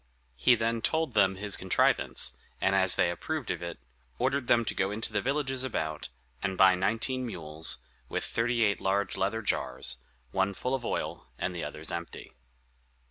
He then told them his contrivance; and as they approved of it, ordered them to go into the villages about, and buy nineteen mules, with thirty eight large leather jars, one full of oil, and the others empty.